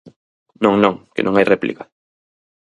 Non, non, que non hai réplica.